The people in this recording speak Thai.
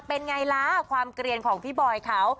เป็นไงล่ะความเกลียนของพี่บอยเขา